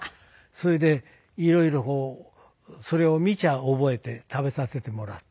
それで色々それを見ちゃ覚えて食べさせてもらって。